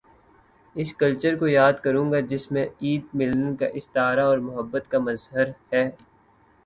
اس culture کو یاد کروں گا جس میں عید، ملن کا استعارہ اور محبت کا مظہر ہے۔